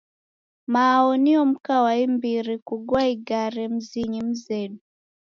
Mao nio mka wa imbiri kugua igare mzinyi mzedu.